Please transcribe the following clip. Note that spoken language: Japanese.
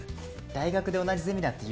大学で同じゼミだった友人。